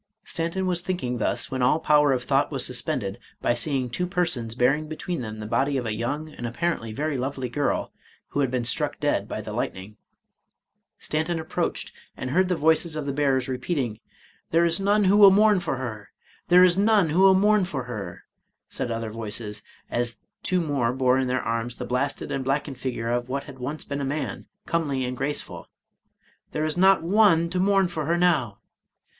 Stanton was thinking thus, when all power of thought was suspended, by seeing two persons bearing between them the body of a young, and apparently very lovely girl, who had been struck dead by the lightning. Stanton ap 171 Irish Mystery Stories proached, and heard the voices of the bearers repeating, " There is none who will mourn for her !"" There is none who will mourn for her !" said other voices, as two more bore in their arms the blasted and blackened figure of what had once been a man, comely and graceful ;—" there is not one to mourn for her now